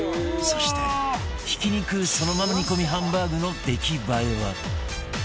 そしてひき肉そのまま煮込みハンバーグの出来栄えは？